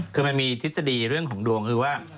คือมันมีทฤษฎีเรื่องของดวงคือว่า